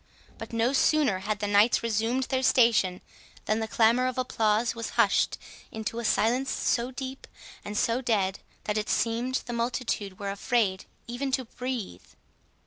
But no sooner had the knights resumed their station, than the clamour of applause was hushed into a silence, so deep and so dead, that it seemed the multitude were afraid even to breathe.